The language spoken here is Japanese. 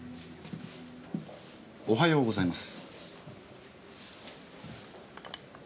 おはようございます。